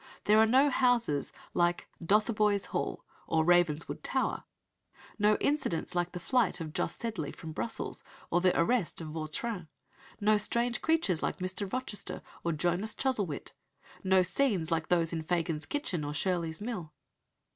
There are no houses like Dotheboys Hall or Ravenswood Tower, no incidents like the flight of Jos Sedley from Brussels or the arrest of Vautrin, no strange creatures like Mr. Rochester or Jonas Chuzzlewit, no scenes like those in Fagin's kitchen or Shirley's mill.